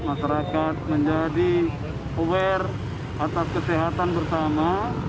masyarakat menjadi aware atas kesehatan bersama